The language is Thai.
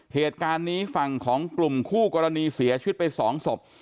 เหตุการณ์นี้ฝั่งของกลุ่มคู่กรณีเสียชีวิตไปสองศพ